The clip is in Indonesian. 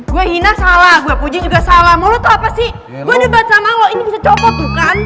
gue hina salah gue puji juga salah mau lo tau apa sih gue debat sama lo ini bisa copot bukan